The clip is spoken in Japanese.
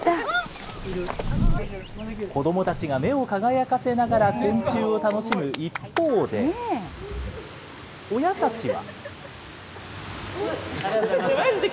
子どもたちが目を輝かせながら昆虫を楽しむ一方で、親たちは。